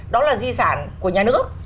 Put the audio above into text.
đó là di sản của nhà nước